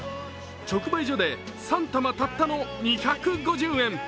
直売所で３球たったの２５０円。